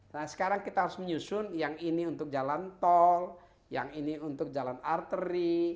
nah sekarang kita harus menyusun yang ini untuk jalan tol yang ini untuk jalan arteri